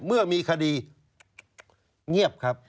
เมื่อมีคดีเงียบครับ